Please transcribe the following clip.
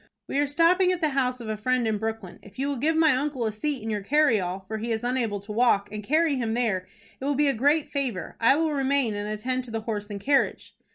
"We are stopping at the house of a friend in Brooklyn. If you will give my uncle a seat in your carryall, for he is unable to walk, and carry him there, it will be a great favor. I will remain and attend to the horse and carriage."